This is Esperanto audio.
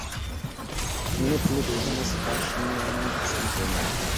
Mi ne plu bezonas kaŝi miajn sentojn.